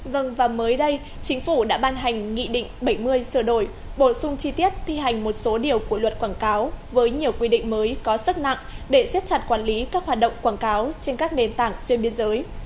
vâng và mới đây chính phủ đã ban hành nghị định bảy mươi sửa đổi bổ sung chi tiết thi hành một số điều của luật quảng cáo với nhiều quy định mới có sức nặng để xếp chặt quản lý các hoạt động quảng cáo trên các nền tảng xuyên biên giới